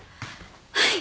はい。